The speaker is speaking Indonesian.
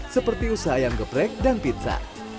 seperti usaha ayam geprek dan pizza